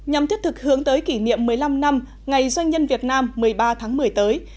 nhằm thiết thực hướng tới kỷ niệm một mươi năm năm ngày doanh nhân việt nam một mươi ba tháng một mươi tới